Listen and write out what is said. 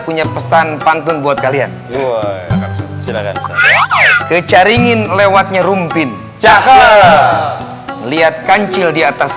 punya pesan pantun buat kalian silahkan kecaringin lewatnya rumpin jahe lihat kancil di atas